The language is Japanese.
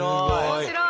面白い。